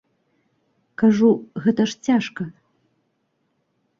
Кажу, гэта ж цяжка.